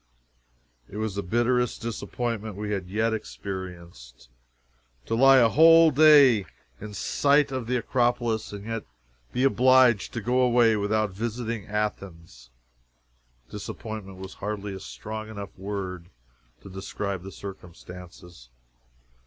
It was the bitterest disappointment we had yet experienced. To lie a whole day in sight of the Acropolis, and yet be obliged to go away without visiting Athens! Disappointment was hardly a strong enough word to describe the circumstances.